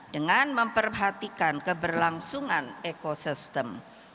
dengan memperhatikan keberlangsungan ekosistem